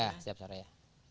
iya setiap sore ya